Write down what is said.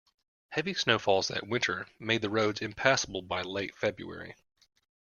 Heavy snowfalls that winter made the roads impassable by late February